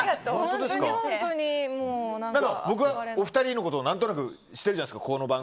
僕は、お二人のことを何となく知ってるじゃないですか。